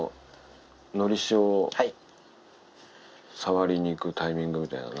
のりしおを触りに行くタイミングみたいなの。